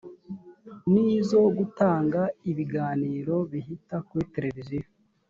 n’izo gutanga ibiganiro bihita kuri televiziyo